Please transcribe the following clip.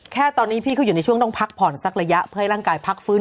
แค่ตอนนี้พี่ก็อยู่ในช่วงต้องพักผ่อนสักระยะเพื่อให้ร่างกายพักฟื้น